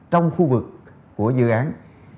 trong khu vực của dự án